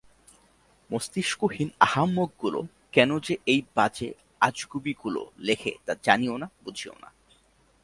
মস্তিষ্কহীন আহাম্মকগুলো কেন যে এই বাজে আজগুবিগুলো লেখে তা জানিও না, বুঝিও না।